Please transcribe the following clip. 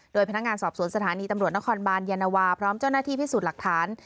โดยพนักงานสอบสวนสถานีตำรวจนครบานยานวาพร้อมเจ้าหน้าที่พิสูจน์หลักฐาน